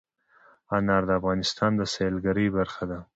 انار د افغانستان د سیلګرۍ برخه ده.